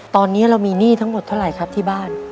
ตอนนี้เรามีหนี้ทั้งหมดเท่าไหร่ครับที่บ้าน